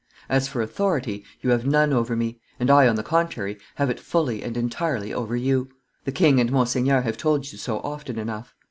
As for authority, you have none over me; and I, on the contrary, have it fully and entirely over you; the king and Monseigneur have told you so often enough.